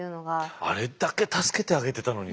あれだけ助けてあげてたのにだよ。